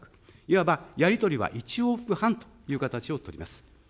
いわば、やり取りは１往復半という形を取ります。